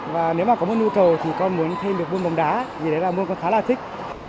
và nếu mà có môn nhu cầu thì con muốn thêm được môn bóng đá thì đấy là môn con khá là thích